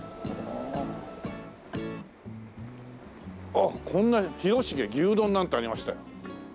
あっこんな「広重」「牛丼」なんてありましたよ。